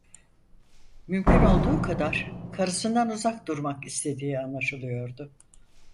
Mümkün olduğu kadar karısından uzak durmak istediği anlaşılıyordu.